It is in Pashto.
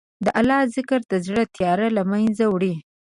د الله ذکر د زړه تیاره له منځه وړي.